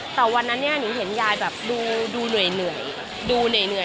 แต่วันนั้นหนึ่งเห็นยายดูเหนื่อย